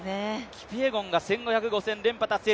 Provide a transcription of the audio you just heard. キピエゴンが１５００、５０００連覇達成